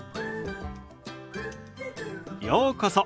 ようこそ。